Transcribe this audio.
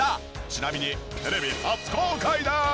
ちなみにテレビ初公開です！